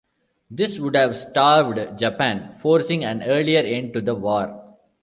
This would have starved Japan, forcing an earlier end to the war.